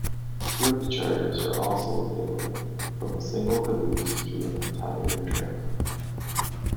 Group charters are also available, from a single caboose to an entire train.